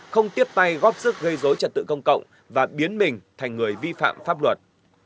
không tiếp tay góp sức gây dối trật tự công cộng và biến mình thành người vi phạm pháp luật